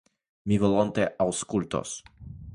Mi volonte aŭskultos?